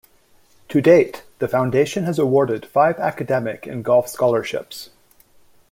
To date, the Foundation has awarded five academic and golf scholarships.